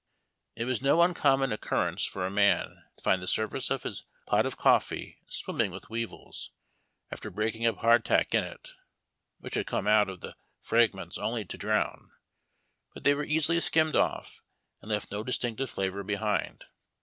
It was no uncommon occurrence for a man to find the surface of his pot of coffee swimming with weevils, after breaking up hardtack in it, which had come out of the fragments only to drown ; but they were easily skimmed off, and left no distinctive flavor behind.